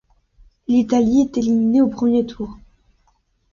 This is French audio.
L'Italie est éliminée au premeier tour.